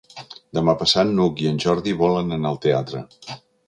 Demà passat n'Hug i en Jordi volen anar al teatre.